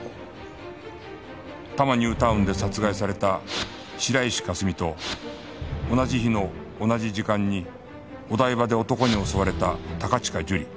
多摩ニュータウンで殺害された白石佳澄と同じ日の同じ時間にお台場で男に襲われた高近樹里